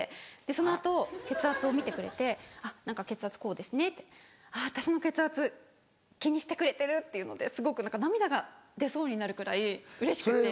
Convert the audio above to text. その後血圧を見てくれて「あっ何か血圧こうですね」って「あっ私の血圧気にしてくれてる」っていうのですごく何か涙が出そうになるくらいうれしくて。